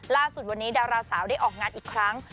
ล่าสุดวันนี้ดาราสาวได้ออกงานอีกครั้ง